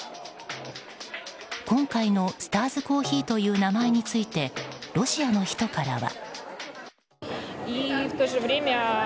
今回のスターズコーヒーという名前についてロシアの人からは。